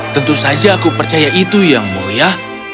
tentu saja aku percaya itu yang mulia